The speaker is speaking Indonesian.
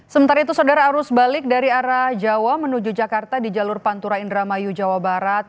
sementara itu saudara arus balik dari arah jawa menuju jakarta di jalur pantura indramayu jawa barat